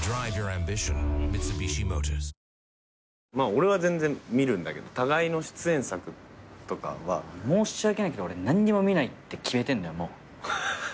俺は全然見るんだけど互いの出演作とかは。申し訳ないけど俺何にも見ないって決めてんの。